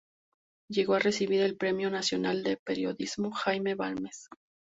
Llegó a recibir el Premio nacional de periodismo "Jaime Balmes".